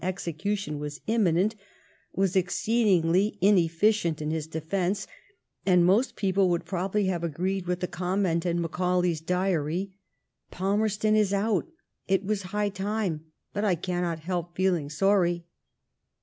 141 exeoution was imminent^ was ezoeedingly ineffioient in his defence ; and most people would probably have agveed with the comment m Macanlay's diary, Palmerston ia one. It was high time; bat I cannot help feeling sorry."